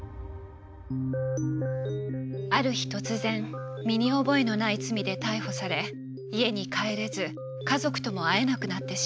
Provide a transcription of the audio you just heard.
ある日突然身に覚えのない罪で逮捕され家に帰れず家族とも会えなくなってしまう。